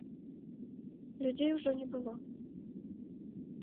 Людзей ужо не было.